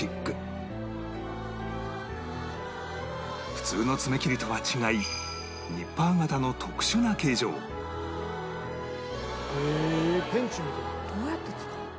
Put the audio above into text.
普通の爪切りとは違いニッパー型の特殊な形状へえペンチみたい。